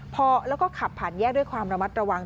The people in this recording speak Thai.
พอแล้วก็ขับผ่านแยกด้วยความระมัดระวัง